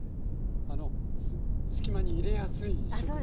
あの隙間に入れやすい食材というか。